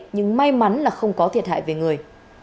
nhưng may mắn là không có thiệt hại về người